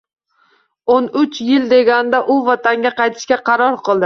O`n uch yil deganda u vatanga qaytishga qaror qildi